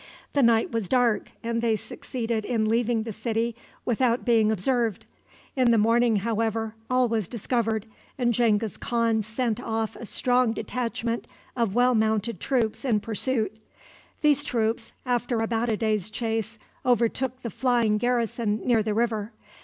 The night was dark, and they succeeded in leaving the city without being observed. In the morning, however, all was discovered, and Genghis Khan sent off a strong detachment of well mounted troops in pursuit. These troops, after about a day's chase, overtook the flying garrison near the river.